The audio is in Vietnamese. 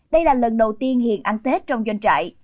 đây là lần đầu tiên hiền ăn tết trong doanh trại